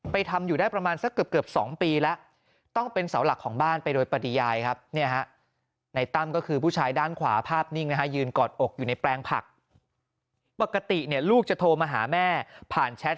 ภาพนิ่งนะฮะยืนกอดอกอยู่ในแปลงผักปกติเนี่ยลูกจะโทรมาหาแม่ผ่านแชท